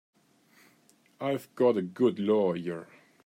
I've got a good lawyer.